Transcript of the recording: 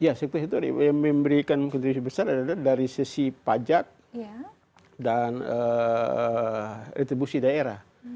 ya itu yang memberikan kontribusi besar adalah dari sisi pajak dan retribusi daerah